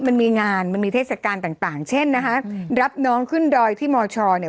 มันมีงานมันมีเทศกาลต่างต่างเช่นนะคะรับน้องขึ้นดอยที่มชเนี่ย